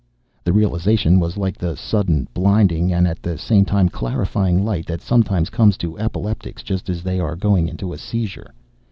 The realization was like the sudden, blinding, and at the same time clarifying light that sometimes comes to epileptics just as they are going into a seizure.